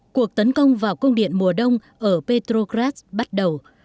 cuộc tấn công vào công điện mùa đông ở petrograd bắt đầu